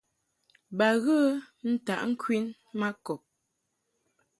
Ba ghə ntaʼ ŋkwin ma kɔb.